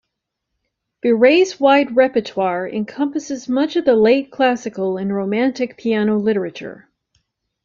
Biret's wide repertoire encompasses much of the late Classical and Romantic piano literature.